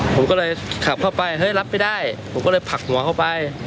ผมก็เลยขับเข้าไปเฮ้ยรับไม่ได้ผมก็เลยผลักหัวเข้าไป